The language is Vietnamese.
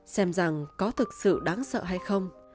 xem rằng có thực sự đáng sợ hay không